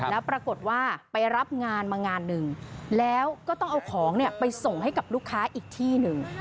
แล้วปรากฏว่าไปรับงานมางานหนึ่งแล้วก็ต้องเอาของไปส่งให้กับลูกค้าอีกที่หนึ่ง